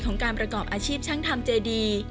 ของการประกอบอาชีพช่างทำเจดี